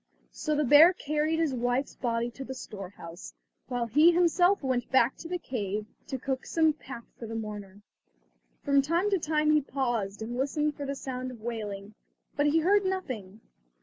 So the bear carried his wife's body to the storehouse, while he himself went back to the cave to cook some pap for the mourner. From time to time he paused and listened for the sound of wailing, but he heard nothing.